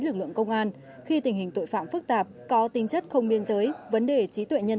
lực lượng công an khi tình hình tội phạm phức tạp có tính chất không biên giới vấn đề trí tuệ nhân